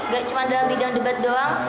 gak cuma dalam bidang debat doang